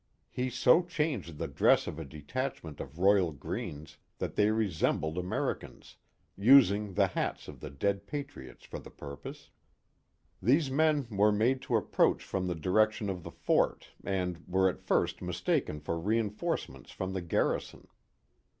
He so changed the dress of a detachment of Royal Greens that they resembled Americans, using the hats of the dead patriots for the purpose. These men were made to ap proach from the direction of the fort and were at first mis taken for reinforcements from the garrison.